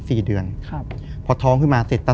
คือก่อนอื่นพี่แจ็คผมได้ตั้งชื่อเอาไว้ชื่อ